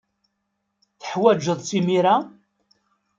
Teḥwajed-tt imir-a?